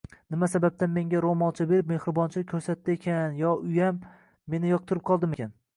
Nima sababdan menga roʻmolcha berib mehribonchilik koʻrsatdi ekan yo uyam meni yoqtirib qoldimikan.